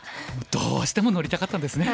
どうしても乗りたかったんですね。